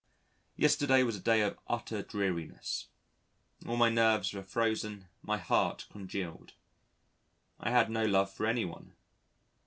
Yesterday was a day of utter dreariness. All my nerves were frozen, my heart congealed. I had no love for anyone